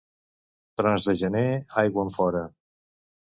Trons de gener, aigua enfora.